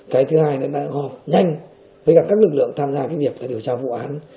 cái thứ hai là đã góp nhanh với các lực lượng tham gia việc điều tra vụ án